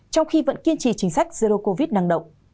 trong khi vẫn kiên trì chính sách zero covid năng động